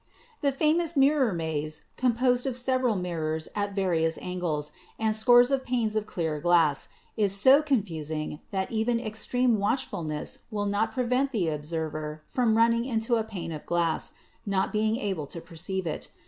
The famous Mirror Maze, composed of several mirrors at various angles and scores of panes of clear glass, is so confusing that even extreme watchfulness will not prevent the observer from running into a pane of glass, not being able to perceive it.